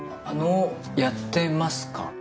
あの、やってますか？